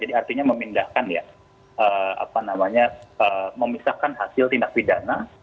jadi artinya memindahkan memisahkan hasil tindak pidana